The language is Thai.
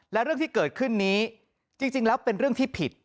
และเรื่องที่เกิดขึ้นนี้จริงแล้วเป็นเรื่องที่ผิด